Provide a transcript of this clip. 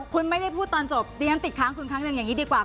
คุณไม่ได้พูดตอนจบดิฉันติดค้างคุณครั้งหนึ่งอย่างนี้ดีกว่า